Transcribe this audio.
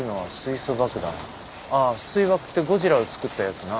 あっ水爆ってゴジラをつくったやつな。